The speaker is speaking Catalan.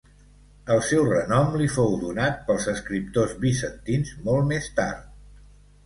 El seu renom li fou donat pels escriptors bizantins molt més tard.